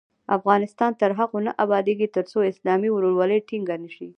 افغانستان تر هغو نه ابادیږي، ترڅو اسلامي ورورولي ټینګه نشي.